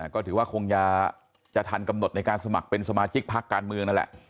ก็ถือว่าคงจะทันกำหนดในการสมัครเป็นสมาชิกพักการเมืองนั่นแหละ